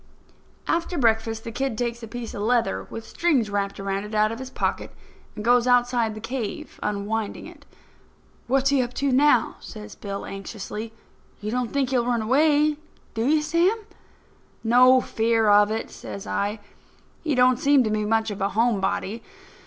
After breakfast the kid takes a piece of leather with strings wrapped around it out of his pocket and goes outside the cave unwinding it. "What's he up to now?" says Bill, anxiously. "You don't think he'll run away, do you, Sam?" "No fear of it," says I. "He don't seem to be much of a home body.